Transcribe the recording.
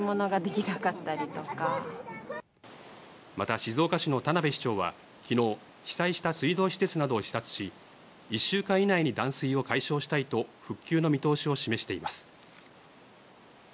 また静岡市の田辺市長は昨日、被災した水道施設などを視察し、１週間以内に断水を解消したいと復旧の見通しを示しています。